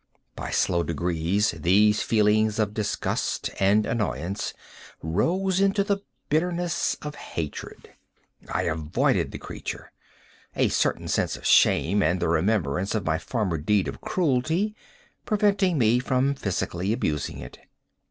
By slow degrees, these feelings of disgust and annoyance rose into the bitterness of hatred. I avoided the creature; a certain sense of shame, and the remembrance of my former deed of cruelty, preventing me from physically abusing it.